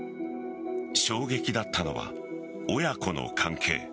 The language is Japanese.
衝撃だったのは親子の関係。